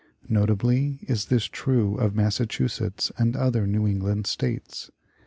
Notably is this true of Massachusetts and other New England States.